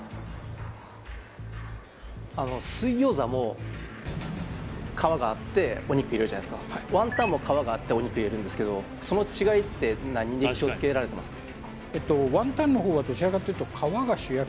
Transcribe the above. あの水餃子も皮があってお肉入れるじゃないですかワンタンも皮があってお肉入れるんですけどその違いって何で気をつけられてますか？